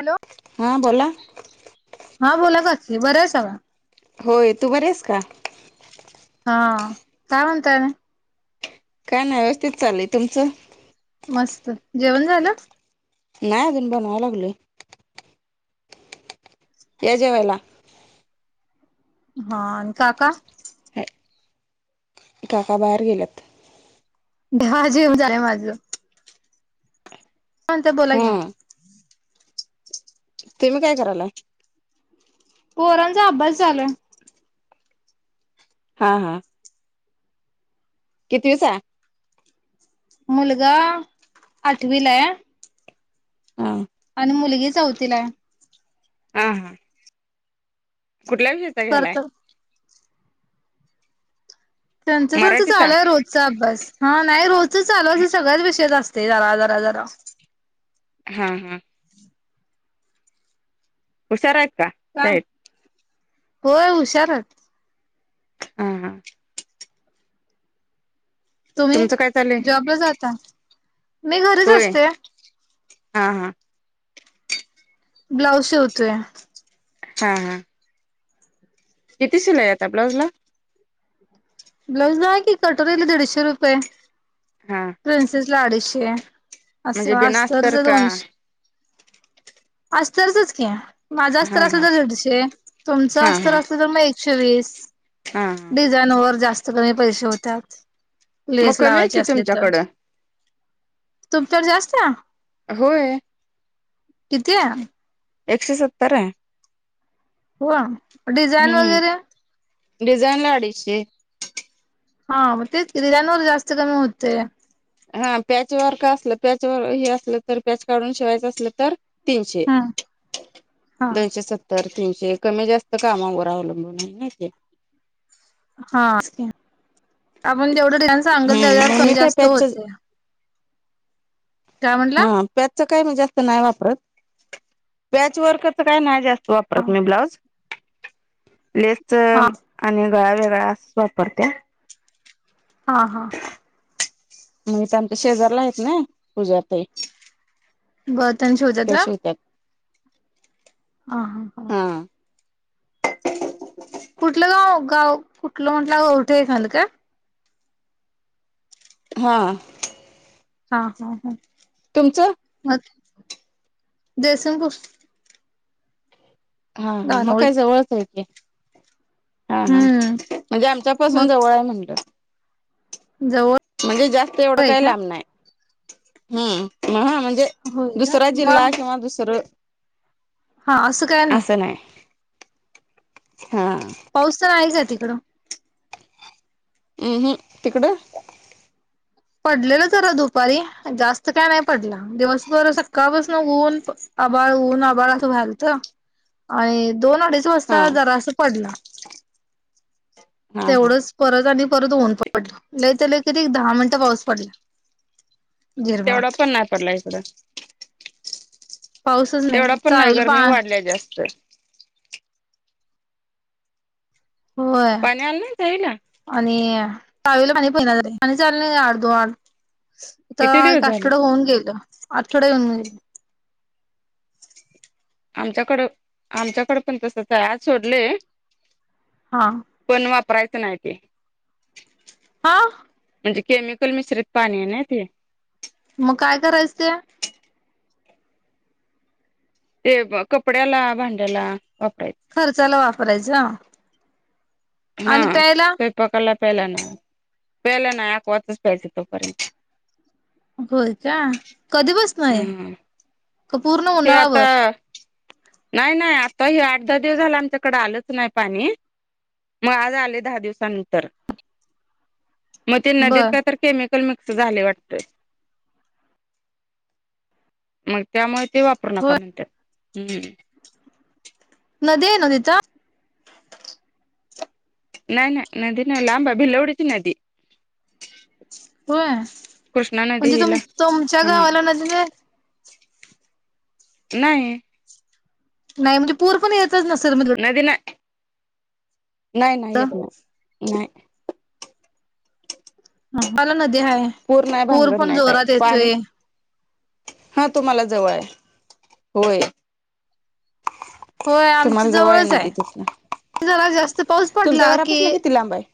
Hello हा बोला हा बोला काकी बरा आहेसा का होय तू बरीयेस का हा काय म्हतय ना काय नाही व्यवस्थित चालय तुमचं मस्त जेवण झालं नाही अजून बनवा लागलोय या जेवायला हा काका काका बाहेर गेल्यात [unintelligible] काय म्हणताय बोला हा की तुही काय करायलाय पोरांचा अभ्यास चालू हाय हा हा कितविताय मुलगा आठवीलाय हा मुलगी चौथीलाय हा हा कुठल्या विषयचा घालाय करतो त्यांच त्यांच लू मराठीचा आहे रोजचा अभ्यास हा नाही रोच चालू असे सगळ्याच विषय जा असत ते जार आजार हजार हा हा हुशार आहेत का सहेब होय हुशारच हा हा तुम्ही तुमचं काय चाललंय जॉबला जाता मी घरीच होय असते हा हा ब्लाऊज शेवतोय हा हा किती शिलय आता ब्लाऊज ला ब्लाऊज नाही की कटोरीला दीडशे रुपये हा प्रिन्सेस ला अडीचशे म्हणजे असं बिना असतरच अस्तर का दोनशे अस्तरचच कि माझं अस्तर हा असलं हा तर दिडशे तुमचं हा हा अस्तर हा असलं तर मग शे वीस हा डिझान वर जास्त कमी पैसे होतात मग लेस कमी आहे लावायची की असली तर तुमच्याकडं तूप तरवर जास्त होय किती आहे एकशे सत्तर आहे हो डिझाईन वगैरे डिझान लाडीश हा मग ते डिझाईन वर जास्त कमी होते हा पॅचवरर का असलं पॅचवर हे असलं तर पॅच काढून शिवायचं असलं तर तीनशे हम् हा दोनशे सत्तर तीनशे कमी जास्त कामावर अवलंबून आहे ना ते हाके आपण जेवढं न सांगल हम्म तेवर मग मी कही काय जास्त पॅच होते काय म्हटला हा पॅचच काय म जास्त नाही वापरत पॅच वरकरच काय नाही जास्त त हा वापरत मी ब्लाऊज लेस हा आणि वेगळा वेगळा वापरत्या हा हा मग त्यांच्या शेजारला आहेत ना पूज्या ते बर्तन शेवतात हा हा हा कुठलं गाव गाव कुठलं म्हंटलं ग उठे एखाद काय हा हा हा हा तुमचं देसन क हा हा मग काय जवळचयेतय हा हा हम्म म्हणजे आमच्यापासून मग जवळ आहे म्हणत जवळ म्हणजे जास्त एवढं होय काही का लांब नाही हम् म्हणजे होय का दुसरा जिल्हा मग किंवा दुसरं हा असं काय नाही हा पाऊस तर आहे का तिकडं हम्म हम् तिकड पडलेलं जरा दुपारी जास्त काय नाही पडला दिवसभर सकाळ पासून ऊन आबाळ ऊन आबाळ असं घालत आणि दोन अडीच हा वाजता जरा असं पडलं हा हा तेवढंच परत आणि परत ऊन पडलं ल ते ल क दहा मिनिटं पाऊस पडला तेवढा झिरमाट पण नाही पडला इकडं पाऊसच तेवढा पण नाही चावीला पा गरमी वाढल्या जास्त होय पाणी आलं नाही जाईला आणि पावेला पाणी पहिना पाणी चाल नाही अडदू आडथ किती एक दिवस झालं आष्टवडं होऊन गेलं अठवड होन आमच्याकडं आमच्याकडं पण तसच आज सोडलेय हा प्रयसनऐतीे हा म्हणजे केमिकल मिश्रित पाणी आहे ना ते मग काय करायचं ते ते कपड्याला भांड्याला वापरायचं खर्चाला वापरायचं हा आणि प्यायला स्वल्प कला पहिला नाही पहिला नाही आकवचच प्यायज तोपर्यंत होय का कधी बसनय ह हे आता नाही नाही आता त हे आठ दहा दिवस झाला आमच्याकडे आलंच नाही पाणी मग आज आले दहा दिवसानंतर मग ते नदीत बर का तर केम झा वाट मग त्यामुळे ते वापरू नका होय म्हणतात हम्म न दे नदीता नाही नाही नदी ना लांबा बल उडीची नदी होय कृष्णा नदी म्हणजे तुम हिला तुमच्या हा गावाला न नाही नाही म्हणजे पूर पण येतच नसे मी नदी नाही नाही नाही येत नाही नाही मला नदी आहे नाही पूर भानगड पण नाही काय जोरात पाणी येतोय हा तुम्हाला जवळ आहे होय होय तुम्हाला आमच्या जवळ जवळच नदी आहे तिथन जरा जास्त पाऊस तुमच्या पडला की घरापासून किती लांब आहे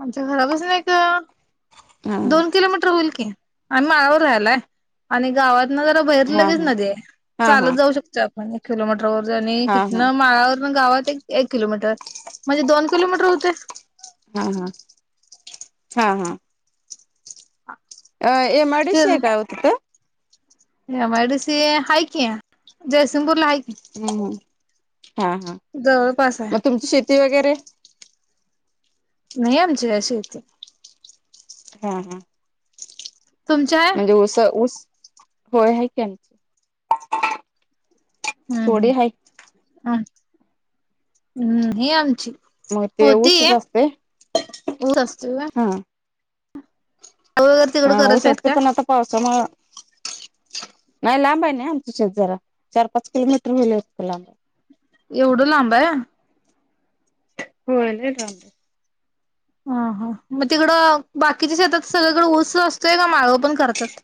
आमच्या घरापसून आहे का हा दोन किलोमीटर होईल का आ्ही माळावर राहिलाय आणि गावात जरा बाहेर हा लगेच हा न हा चालत हा जाऊ शकत आपण एक किलोमीटर वर आणि हा इथन हा माळावर ग गावात एक एक किलोमीटर म्हणजे दोन किलोमीटर होते हा हा हा हा अ ए मीश का आत एम आयडी सी हाक आहे जयसिंगपूरला ह हम् हा हा जवळपास आहे मग तुमची शेती वगैरे नाही आमचेशती हा हा तुमची आहे म्हणजे ऊस ऊस होय आहे कीची हम्म थोडी आहे हम् अ हम्म ह आमची मग ते होतीय ऊसच असते हो सस्त हा हा तिकडं करत ऊस आहेत असते का पण आता पावसामुळ नाही लांब आहे नाही आमच शेत जरा चार पाच किलोमीटर होईल अस लांब. एवढं लांब आहे. [unintelligible] ह हा मग तिकडं बाकीच्या शेतात सगळीकडें ओस असतोय का माळं पण करतात.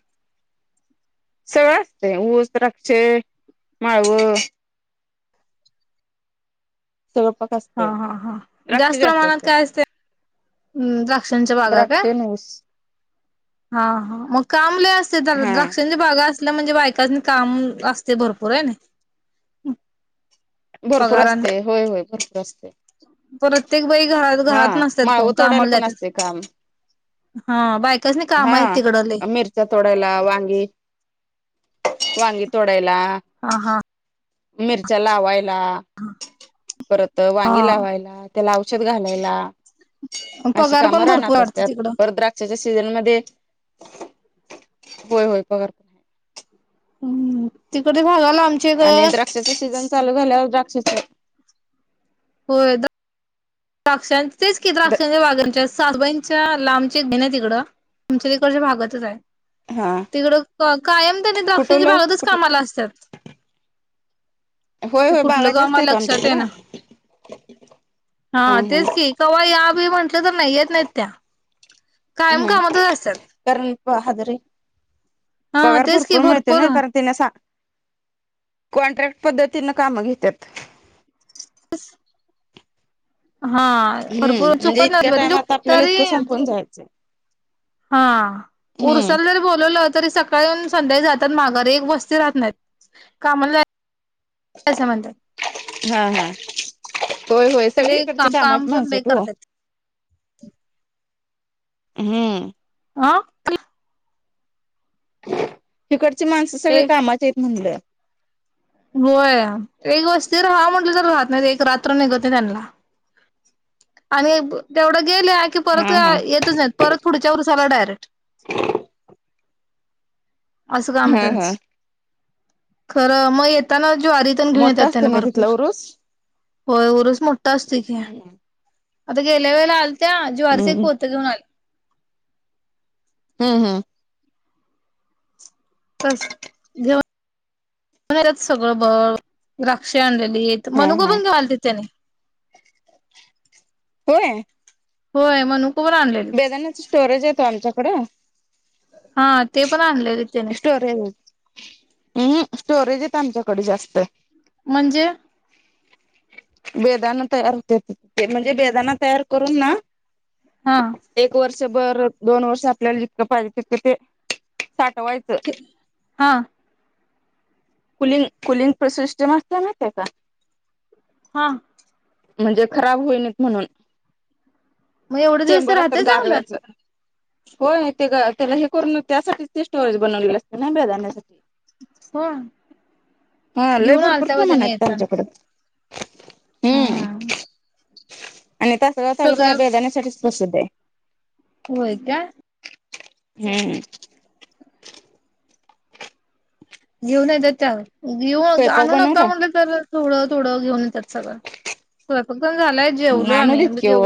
सगळं असते ऊस द्राक्ष माळव. सगळं पक हा असते हा हा द्राक्ष जास्त प्रमाणात असतात काय असते हम्म द्राक्षांणच्या बागा द्राक्ष काय? आणि ऊस हा हा मग लय असतय तर हा द्राक्षांच्या बागात त म्हणजे बायकासनी काम असतय भरपूर भरपूर पगारान असतय होय होय भरपूर असत प्रत्येक बाई घरात हा घरात नसतात माळव कोण तोडायला कामाला पण जातात असतय काम हा बायकासनी काम आहेत हा तिकडं लय मिरच्या तोडायला वांगी वांगी तोडायला हा हा मिरच्या लावायला परत हा वांगी लावायला त्या ला औषध घालायला अशी पगार कामं पण भरपूर रानात वाटत असत्यात तिकडं भर द्राक्षेच्या सीजनमध्ये होय होय पगार हम्म तिकडच्या भागाला आमच्या आणि इकडं द्राक्षाच सीझन चालू झाल्यावर द्राक्षाच हो तर द्राक्षां तेच किती द्राक्षां बागांच्या सात बहि च्या लांबची एक बहिण हाय तिकड तुमच्या तिकडच्या भागातच हाय. हा तिकडं कायम त्यांनी द्राक्षेच्या कुठवलं बागातच कुठ कामाला असत्यात होय ते होय बागा कुठलं गाव जास्त मला आहेत लक्षात आमच्याकडे येना हा हा तेच हा की कवा या बी म्हटलं तर नाही येत नाहीत त्या कायम हम् कामातच असत्यात कारण हजरी पगार भरपूर मिळतोय नाय कारण तिने सा- कॉन्ट्रॅक्ट पद्धतीन काम घेत्यात असं- हा आ हम्म परत म्हणजे चुकत इतक्या अद टाइमात [unintelligible] आपल्याला तरी इतकं संपून जायचं हा हम्म उर्साला जरी बोलवलं तरी सकाळी येवून संध्याकाळी जात्यात माघारी एक वस्ती राहत नायात कामाला जा- हा हा होय होय सगळीकडची कामाची माणसयेतं ओ तर [inaudible] हम्म आ [unintelligible] हिकडची माणसं सगळी ते कामाची हायत म्हणल. होय एक वस्ती राह म्हटलं तर राहत नाहीत एक रात्र निघत नाही त्यांना. आणि प तेवढं गेल्या की परत हा हा. येतच नाहीत परत पुढच्या ऊरसालाच डायरेक्ट. असं काम आहे हा त्यांच हा खरं म ये त्यां नव ज्वारी तेन घेऊन येत्यात मोठा असतो त्यांन ना भरपूर. तिथला उरूस? होय उरूस मोठा असतोय की हम्म हम्म. आता गेल्या वेळेला आल- त्या ज्वारीचं एक हम्म पोत घेऊन आली हम्म हम्म तसेव [unintelligible] येतात सगळं बरच द्राक्ष आणलेली हा मनुक हा पण घाला त त्याने होय होय मनुकवर आणल्यालित तो रोज येतोय आमच्याकडं हा ते पण आणलय. स्टोरेज हम् स्टोरेज येतय आमच्याकड जास्त म्हणजे बेदान तयार हुत्यात तिथं. म्हणजे बेदाना तयार करून ना. हा [unintelligible] हा? [unintelligible] हा म्हणजे, खराब होईनत म्हणून, मग एवढे दिवस चेंबर असतात राहतय चांगलं गारव्याचं. हो ते त्याला हे करून त्यासाठीच बनवलेले असते ना बधानण्यासाठी हो घेऊन आलता बघ त्यांनी येताना. [unintelligible] हम्म- आणि तसं, तालुका सगळ्या बेदाण्याा साठीच प्रसिद्ध आहे. होय का! [inaudible] घिऊन येत्यात त्या, घिऊनच. स्वयंपाक आणू बनवला? नका, म्हणलं तर - आणू देत की ओ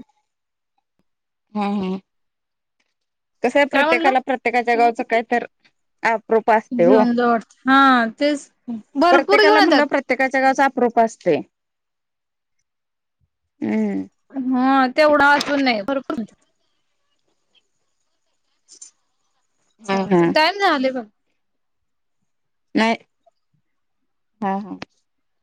[unintelligible] [unintelligible] ह्या, ह्या काय म्हणला? [unintelligible] घेऊन जा वाटतं हा तेच भरपूर घेऊन येतात. [unintelligible] [unintelligible] [unintelligible] हा हा. [unintelligible] [unintelligible]